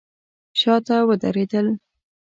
شاته ودرېدل.